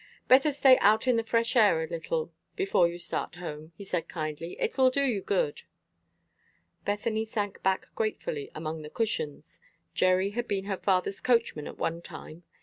"Better stay out in the fresh air a little before you start home," he said, kindly. "It will do you good." Bethany sank back gratefully among the cushions. Jerry had been her father's coachman at one time.